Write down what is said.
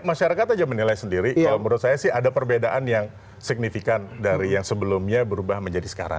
masyarakat aja menilai sendiri kalau menurut saya sih ada perbedaan yang signifikan dari yang sebelumnya berubah menjadi sekarang